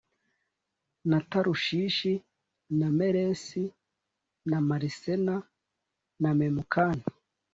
na Tarushishi na Meresi na Marisena na Memukani